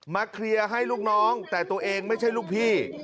เคลียร์ให้ลูกน้องแต่ตัวเองไม่ใช่ลูกพี่